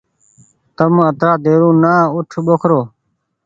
تم اترآ ديرو نآ اوٺ ٻوکرو۔